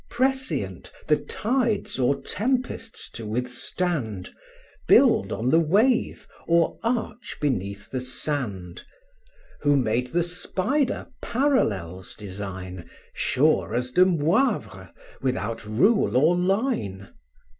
Prescient, the tides or tempests to withstand, Build on the wave, or arch beneath the sand? Who made the spider parallels design, Sure as Demoivre, without rule or line?